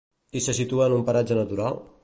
I se situa en un paratge natural?